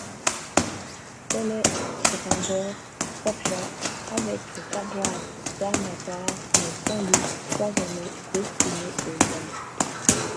Celebrimbor forgea, avec le savoir d'Annatar mais sans lui, trois anneaux destinés aux elfes.